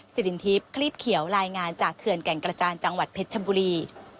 สิรินทิพย์คลีบเขียวรายงานจากเขื่อนแก่งกระจานจังหวัดเพชรชบุรี